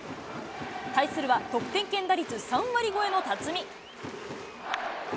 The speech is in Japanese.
対するは、得点圏打率３割超えの辰己。